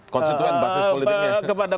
konstituen basis politiknya kepada